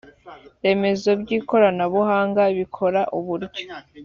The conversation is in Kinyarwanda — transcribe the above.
remezo by ikoranabuhanga bikora uburyo